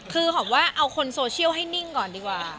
คือหอมว่าเอาคนโซเชียลให้นิ่งก่อนดีกว่า